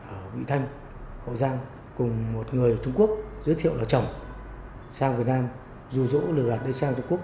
ở vị thanh hậu giang cùng một người ở trung quốc giới thiệu là chồng sang việt nam dù dỗ lừa gạt sang trung quốc